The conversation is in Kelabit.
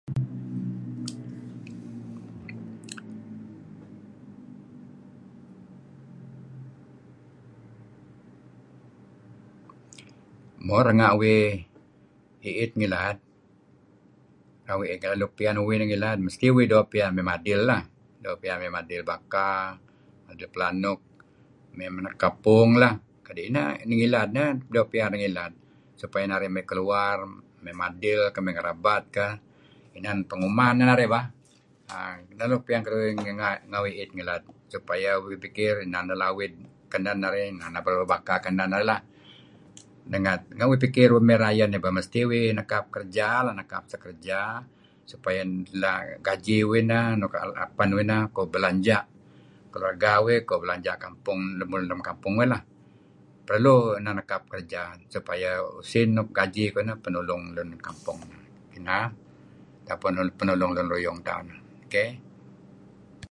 Mo, renga' uih i'it ngilad nuk doo' piyan uih nih ngilad mesti uih doo'piyan mey madil lah, doo' piyan mey madil baka, madil pelanuk, mey nekap pung lah, Neh doo' piyan narih nilad supaya narih keluar mey madil, mey ngerabat kah inan penguman neh narih bah, ineh nuk piyan keduih renga' uih i'it ngilad, supaya uih pikir inan neh lawid kenen narih, inan teh labo baka kenen narih lah. Nga' uih pikir uih mey rayeh nih mesti uih nekap seh kerja supaya na' gaji uih neh apen uih neh kuh belanja' keluarga uih kuh belanja' lemulun lem kampung uih lah. Perlu uih nekap kerja' supaya usin nuk gaji kuh ineh penulung lun kampung. Neh, penulung lun ruyung tauh neh. Keh.